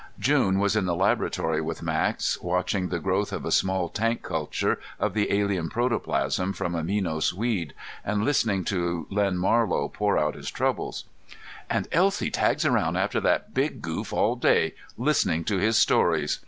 June was in the laboratory with Max, watching the growth of a small tank culture of the alien protoplasm from a Minos weed, and listening to Len Marlow pour out his troubles. "And Elsie tags around after that big goof all day, listening to his stories.